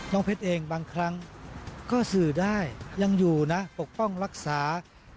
เพชรเองบางครั้งก็สื่อได้ยังอยู่นะปกป้องรักษา